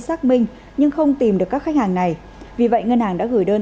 xác minh nhưng không tìm được các khách hàng này vì vậy ngân hàng đã gửi đơn